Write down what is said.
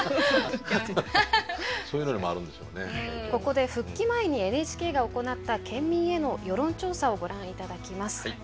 ここで復帰前にＮＨＫが行った県民への世論調査をご覧頂きます。